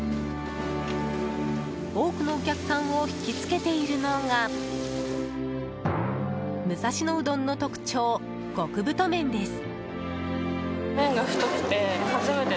多くのお客さんを引きつけているのが武蔵野うどんの特徴、極太麺です。